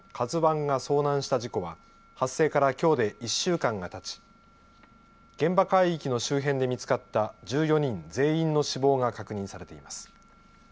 ＫＡＺＵＩが遭難した事故は発生からきょうで１週間がたち現場海域の周辺で見つかった１４人全員の死亡が確認されています。